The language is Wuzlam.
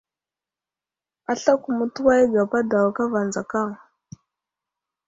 Aslako mətuway gapa daw kava adzakaŋ.